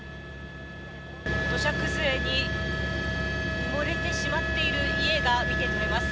土砂崩れに埋もれてしまっている家が見て取れます。